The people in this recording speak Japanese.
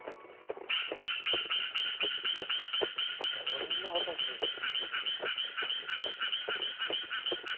こんな音すんの？